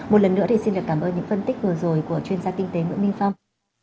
một lần nữa thì xin được cảm ơn những phân tích vừa rồi của chuyên gia kinh tế nguyễn minh phong